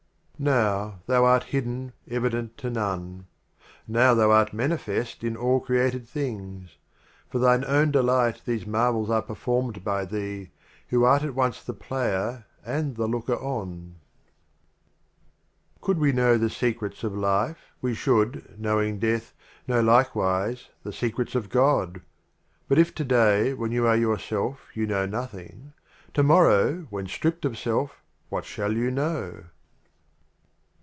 LI AND LII. Now Thou art hidden, evident to None; Now Thou art manifest in All Created Things. For Thine Own Delight these Mar vels are performed by Thee, Who art at once the Player and the Looker On. 6 7 LIII. The Literal Could we know the Secrets of Omar T . Life, We should, knowing Death, know likewise the Secrets of God. But if To day, when You are Your self, you know Nothing, To morrow, when stripped of Self, what shall You know